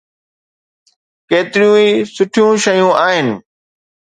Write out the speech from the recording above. ڪيتريون ئي سٺيون شيون آهن.